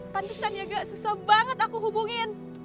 pantesan ya gak susah banget aku hubungin